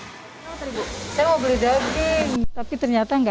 saya mau beli daging tapi ternyata nggak ada